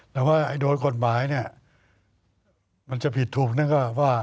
แต่ว่าโดยกฎหมายเนี่ยมันจะผิดถูกนั่นก็ว่า